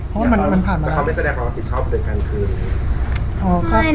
เพราะมันผ่านมาแล้ว